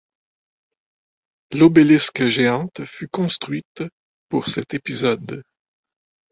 L'obélisque géante fut construite pour cet épisode.